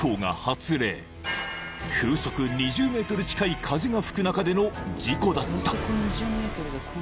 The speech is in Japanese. ［風速２０メートル近い風が吹く中での事故だった］